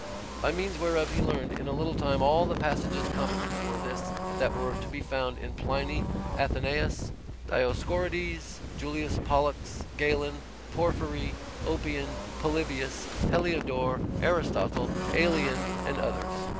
By means whereof he learned in a little time all the passages competent for this that were to be found in Pliny, Athenaeus, Dioscorides, Julius Pollux, Galen, Porphyry, Oppian, Polybius, Heliodore, Aristotle, Aelian, and others.